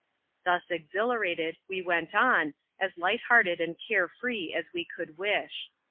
Thus exhilarated, we went on, as light hearted and care firee as we could wish.